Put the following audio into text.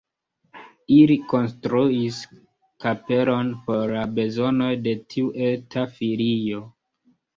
Ili konstruis kapelon por la bezonoj de tiu eta filio.